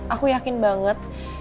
aku yakin banget